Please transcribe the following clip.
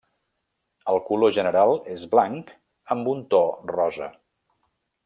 El color general és blanc amb un to rosa.